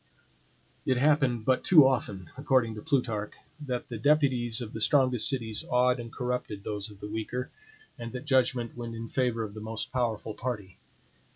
It happened but too often, according to Plutarch, that the deputies of the strongest cities awed and corrupted those of the weaker; and that judgment went in favor of the most powerful party.